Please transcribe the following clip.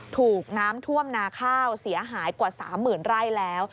ถูกน้ำท่วมนาข้าวเสียหายกว่า๓๐๐๐ไร่แล้ว